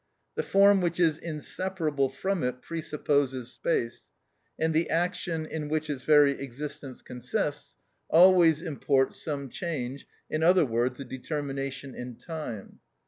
The form which is inseparable from it presupposes space, and the action in which its very existence consists, always imports some change, in other words a determination in time.